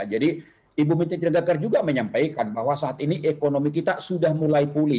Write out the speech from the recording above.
jadi ibu menteri tidak gagal juga menyampaikan bahwa saat ini ekonomi kita sudah mulai pulih